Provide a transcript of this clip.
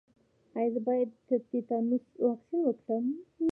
ایا زه باید د تیتانوس واکسین وکړم؟